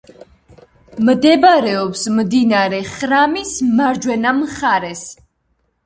მდებარეობს მდინარე ხრამის მარჯვენა მხარეს.